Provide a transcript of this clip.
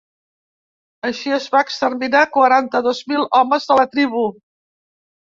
Així es va exterminar quaranta-dos mil homes de la tribu.